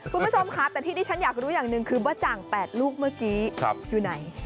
คุณผู้ชมค่ะแต่ที่ที่ฉันอยากรู้อย่างหนึ่งคือบ้าจ่าง๘ลูกเมื่อกี้อยู่ไหน